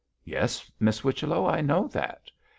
'Yes, Miss Whichello, I know that.'